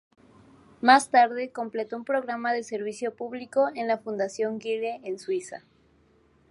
Más tarde completó un programa de servicio público en la Fundación Guile en Suiza.